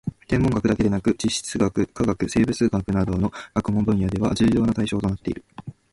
天文学だけでなく地質学・化学・生物学などの学問分野では重要な対象となっている